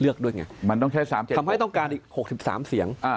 เลือกด้วยไงคำนายท์ต้องการอีก๖๓เสียง